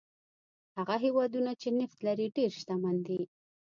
هغه هېوادونه چې نفت لري ډېر شتمن دي.